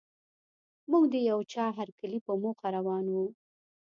موږ د یوه چا هرکلي په موخه روان وو.